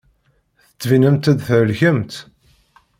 Tettbinemt-d thelkemt.